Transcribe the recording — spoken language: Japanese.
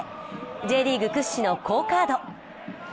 Ｊリーグ屈指の好カード。